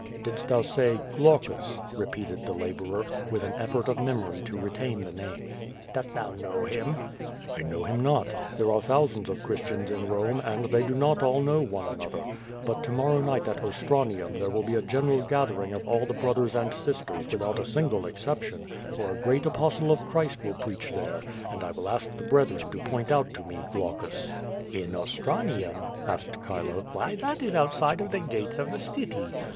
"Didst thou say Glaucus?" repeated the laborer, with an effort of memory to retain the nime. "Dost thou know him?" ^^I know him not. There are thousands of Christians in Borne, and they do not all know one another. But to morrow T40 QUO VADI8, night at Ostranium there will be a general gathering of all the brothers and sisters without a single exception, for a great Apostle of Christ will preach there, and I will ask the breth ren to point out to me Glaucus." "In Ostranium?'* asked Chilo. '^Why, that is outside of the gates of the city.